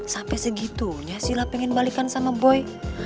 sampai segitunya sila pengen balikan sama boy